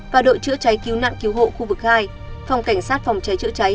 và đội chữa cháy cứu nạn cứu hộ khu vực hai phòng cảnh sát phòng cháy chữa cháy